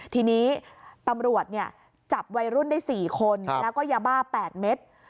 ทีนี้ตำรวจจับวัยรุ่นได้๔คนแล้วก็ยาบ้า๘เม็ด